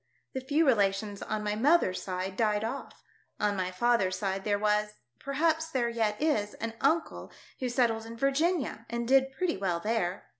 The few relations on my mother's side died off; on my father's side there was— perhaps there yet is — an uncle who settled in Virginia and did pretty well there.